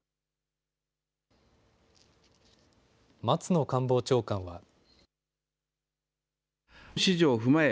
松野官房長官は。